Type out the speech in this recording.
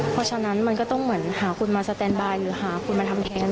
เพราะฉะนั้นมันก็ต้องเหมือนหาคุณมาสแตนบายหรือหาคุณมาทำแค้น